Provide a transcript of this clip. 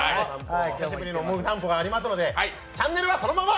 久しぶりの「モグ散歩」がありますのでチャンネルはそのまま！